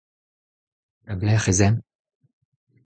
Da belec'h ez aemp ?